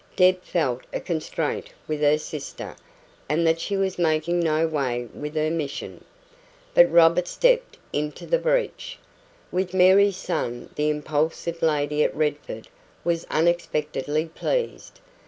Deb felt a constraint with her sister, and that she was making no way with her mission. But Robert stepped into the breach. With Mary's son the impulsive lady of Redford was unexpectedly pleased.